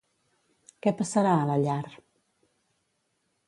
Què passarà a la llar?